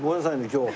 今日。